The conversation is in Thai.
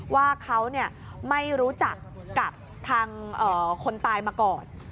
ว่าเขาไม่รู้จักกับทางคนตายมาก่อน